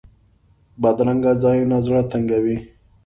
بدرنګه ځایونه زړه تنګوي